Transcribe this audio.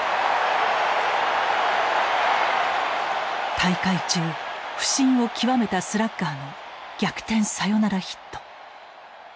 大会中不振を極めたスラッガーの逆転サヨナラヒット。